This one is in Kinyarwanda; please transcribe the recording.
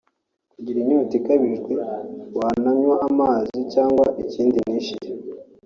kugira inyota ikabije wanaywa amazi cyangwa ikindi ntishire